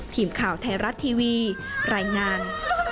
ทีมข่าวไทยรัฐทีวีรายงาน